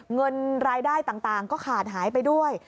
เงินรายได้ต่างก็ขาดหายไปด้วย